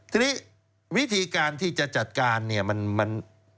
ทีนี้วิธีการที่จะจัดการเนี่ยมัน